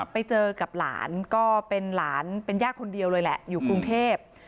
ไปเจอกับหลานก็เป็นหลานเป็นญาติคนเดียวเลยแหละอยู่กรุงเทพ